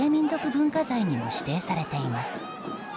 文化財にも指定されています。